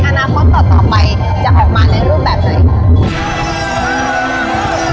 อนาคตต่อไปจะออกมาในรูปแบบไหน